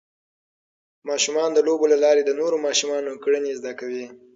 ماشومان د لوبو له لارې د نورو ماشومانو کړنې زده کوي.